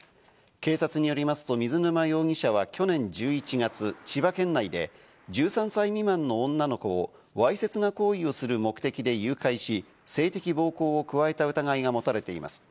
警察によりますと水沼容疑者は去年１１月、千葉県内で１３歳未満の女の子をわいせつな行為をする目的で誘拐し、性的暴行を加えた疑いが持たれています。